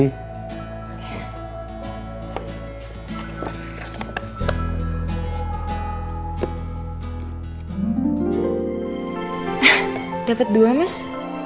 hah dapet dua mas